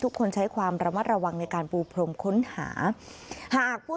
ทุกคนใช้ความระมัดระวังในการปูพรมค้นหาหากผู้